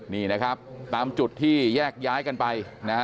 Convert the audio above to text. นี่นะครับตามจุดที่แยกย้ายกันไปนะฮะ